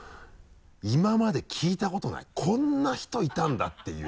今まで聞いたことない「こんな人いたんだ」っていう。